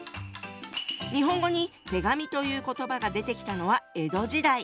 日本語に「手紙」という言葉が出てきたのは江戸時代。